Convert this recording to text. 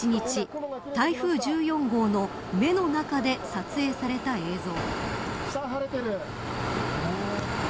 台風１４号の目の中で撮影された映像。